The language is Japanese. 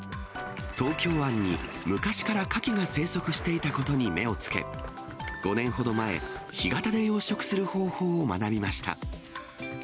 東京湾に昔からカキが生息していたことに目をつけ、５年ほど前、干潟で養殖する方法を学びました。